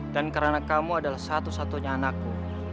dan karena kamu adalah satu satunya anakku